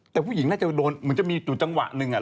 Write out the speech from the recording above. แต่ผู้หญิงน่าจะโดนมันจะมีจุดจังหวะหนึ่ง